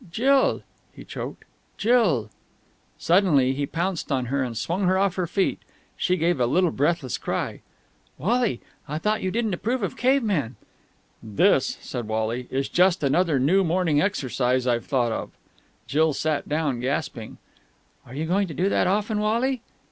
"Jill!" He choked. "Jill!" Suddenly he pounced on her and swung her off her feet She gave a little breathless cry. "Wally! I thought you didn't approve of cavemen!" "This," said Wally, "is just another new morning exercise I've thought of!" Jill sat down, gasping. "Are you going to do that often, Wally?"